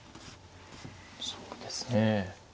そうですね。